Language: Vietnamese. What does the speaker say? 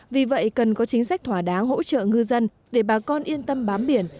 vì vậy cần có chính sách thỏa đáng hỗ trợ ngư dân để bà con yên tâm bám biển